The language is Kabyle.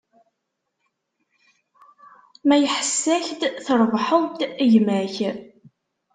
Ma iḥess-ak-d, trebḥeḍ-d gma-k.